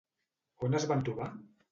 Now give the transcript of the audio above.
On es van trobar?